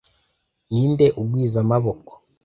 Ninde ugwiza amaboko